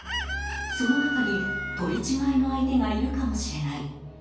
その中に取り違えの相手がいるかもしれない。